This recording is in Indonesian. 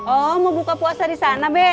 oh mau buka puasa disana be